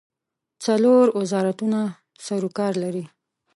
څلور وزارتونه سروکار لري.